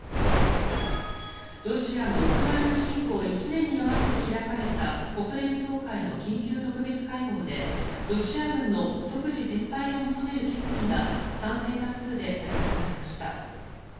ロシアのウクライナ侵攻１年に合わせて開かれた国連総会の緊急特別会合でロシア軍の即時撤退を求める決議が賛成多数で採択されました。